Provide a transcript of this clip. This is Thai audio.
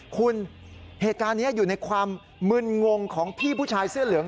คุณเหตุการณ์นี้อยู่ในความมึนงงของพี่ผู้ชายเสื้อเหลือง